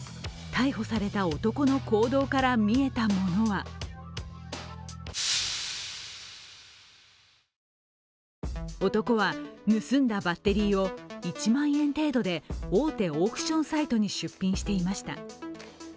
逮捕された男の行動から見えたものは男は盗んだバッテリーを１万円程度で大手オークションサイトに出品していました。